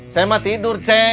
saya mah tidur ceng